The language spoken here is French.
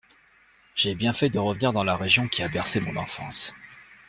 J’ai bien fait de revenir dans la région qui a bercé mon enfance.